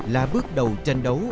là bước đầu tranh đấu